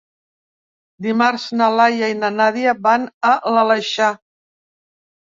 Dimarts na Laia i na Nàdia van a l'Aleixar.